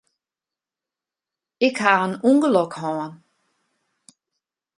Ik ha in ûngelok hân.